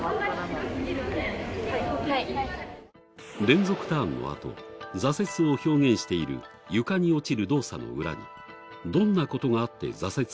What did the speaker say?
連続ターンの後挫折を表現している床に落ちる動作の裏にどんなことがあって挫折したのか